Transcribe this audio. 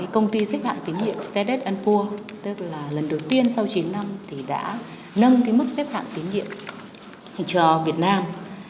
công ty xếp hạn tín nhiệm steaded poor lần đầu tiên sau chín năm đã nâng mức xếp hạn tín nhiệm cho việt nam